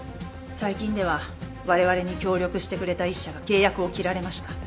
最近ではわれわれに協力してくれた１社が契約を切られました。